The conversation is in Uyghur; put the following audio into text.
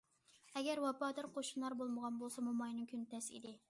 ئەگەر ۋاپادار قوشنىلار بولمىغان بولسا موماينىڭ كۈنى تەس ئىدى.